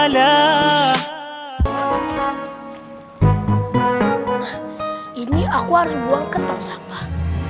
nah ini aku harus buangkan tempat sampah